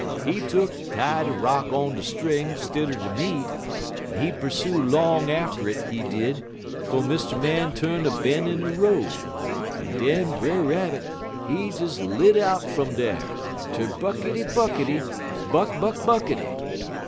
He tuck'n tie de rock on de string, stidder de meat, en he pursue long atter it, he did, twel Mr. Man tu'n a ben' in de road, en den Brer Rabbit, he des lit out fum dar _terbuckity buckity, buck buck buckity!